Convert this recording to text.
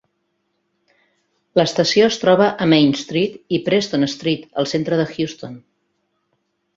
L'estació es troba a Main Street i Preston Street al centre de Houston.